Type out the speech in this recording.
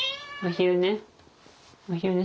お昼寝？